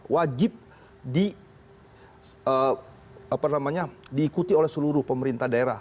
wajib diikuti oleh seluruh pemerintah daerah